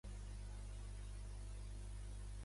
Això fa que els carnívors de Madagascar formin un clade.